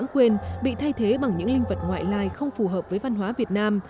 quyền bị thay thế bằng những linh vật ngoại lai không phù hợp với văn hóa việt nam